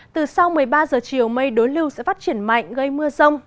từ sau một mươi ba giờ chiều mây đối lưu sẽ phát triển mạnh gây mưa rông